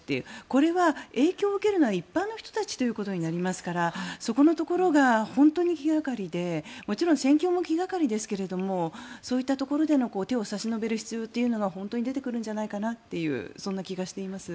これは影響を受けるのは一般の人たちということになりますからそこのところが本当に気掛かりでもちろん戦況も気掛かりですがそういったところでの手を差し伸べる必要というのが本当に出てくるんじゃないかなってそんな気がしています。